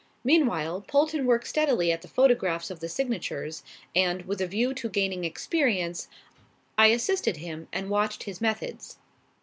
Meanwhile, Polton worked steadily at the photographs of the signatures, and, with a view to gaining experience, I assisted him and watched his methods.